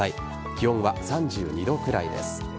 気温は３２度くらいです。